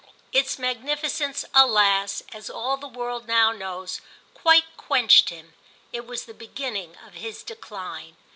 Its magnificence, alas, as all the world now knows, quite quenched him; it was the beginning of his decline.